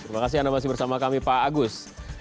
terima kasih anda masih bersama kami pak agus